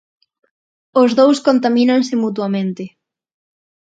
Os dous contamínanse mutuamente.